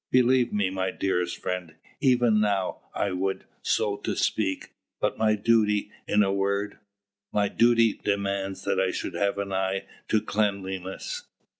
Believe me, my dearest friend, even now, I would, so to speak but my duty in a word, my duty demands that I should have an eye to cleanliness.